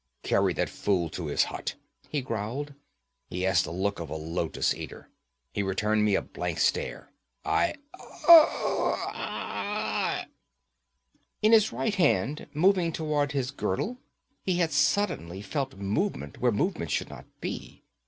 'Carry that fool to his hut,' he growled. 'He has the look of a lotus eater. He returned me a blank stare. I aie!' In his right hand, moving toward his girdle, he had suddenly felt movement where movement should not be.